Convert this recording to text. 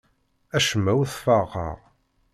Acemma ur t-ferrqeɣ.